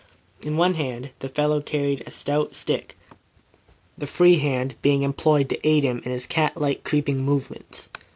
In one hand the fellow carried a stout stick, the free hand being employed to aid him in his cat like creeping movements.